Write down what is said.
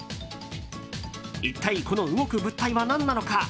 一体この動く物体は何なのか。